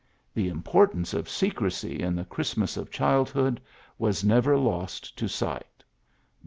The importance of secrecy in the Christmas of childhood was never lost to sight.